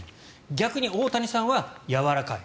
逆に大谷さんはやわらかい。